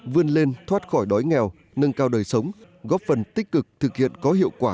vươn lên thoát khỏi đói nghèo nâng cao đời sống góp phần tích cực thực hiện có hiệu quả